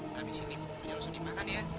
habisin ini bukurnya langsung dimakan ya